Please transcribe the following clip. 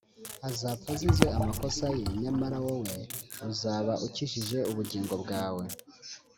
azapfa azize amakosa ye, nyamara wowe uzaba ukijije ubugingo bwawe.